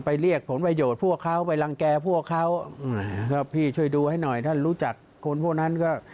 พี่ช่วยดูให้หน่อยถ้ารู้จักคนพวกนั้นก็